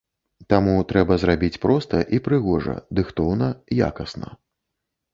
Таму трэба зрабіць проста і прыгожа, дыхтоўна, якасна.